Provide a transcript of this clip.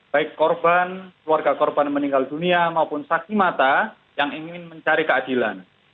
baik korban keluarga korban meninggal dunia maupun sakit mata yang ingin mencari keadilan